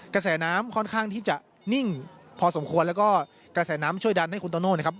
กระแสน้ำค่อนข้างที่จะนิ่งพอสมควรแล้วก็กระแสน้ำช่วยดันให้คุณโตโน่นะครับ